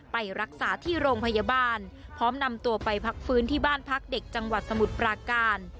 ไปรักษาที่โรงพยาบาลพร้อมนำตัวไปพักฟื้นที่บ้านพักเด็กจังหวัดสมุทรปราการ